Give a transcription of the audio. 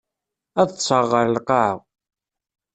Ad ṭṭseɣ ɣer lqaεa.